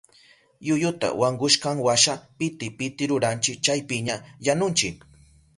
Yuyuta wankushkanwasha piti piti ruranchi chaypiña yanunchi.